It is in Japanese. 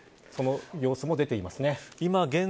その様子も出ていますね。